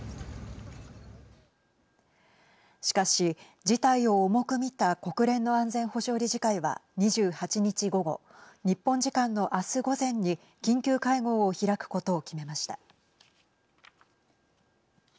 しかし、事態を重く見た国連の安全保障理事会は２８日、午後日本時間のあす午前に緊急会合を開くことを決めました。